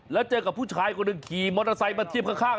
แล้วเจอกับผู้ชายคนหนึ่งขี่มอเตอร์ไซค์มาเทียบข้าง